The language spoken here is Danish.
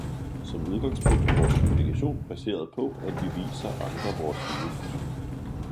Som udgangspunkt er vores kommunikation baseret på at vi viser andre vores viden.